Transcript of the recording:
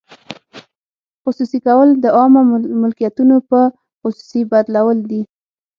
خصوصي کول د عامه ملکیتونو په خصوصي بدلول دي.